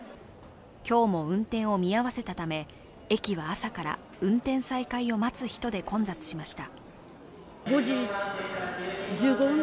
今日も運転を見合わせたため、駅は朝から運転再開を待つ人で混雑しました。